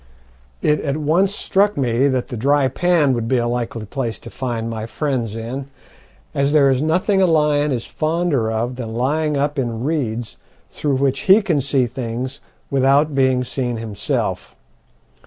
"It at once struck me that the dry pan would be a likely place to find my friends in, as there is nothing a lion is fonder of than lying up in reeds, through which he can see things without being seen himself.